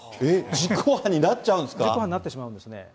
実行犯になってしまうんですね。